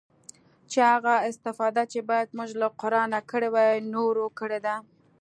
چې هغه استفاده چې بايد موږ له قرانه کړې واى نورو کړې ده.